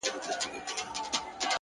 هره ورځ د زده کړې نوې لاره ده!